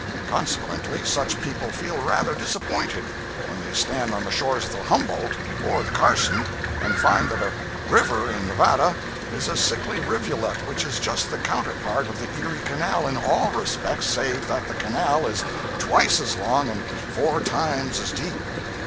Consequently, such people feel rather disappointed when they stand on the shores of the Humboldt or the Carson and find that a "river" in Nevada is a sickly rivulet which is just the counterpart of the Erie canal in all respects save that the canal is twice as long and four times as deep.